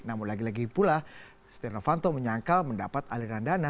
namun lagi lagi pula setia novanto menyangkal mendapat aliran dana